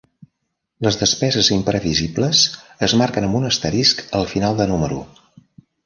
Les despeses imprevisibles es marquen amb un asterisc al final de número.